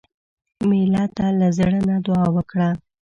مېلمه ته له زړه نه دعا وکړه.